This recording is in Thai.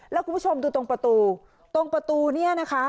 แล้วคุณผู้ชมดูตรงประตูตรงประตูเนี่ยนะคะ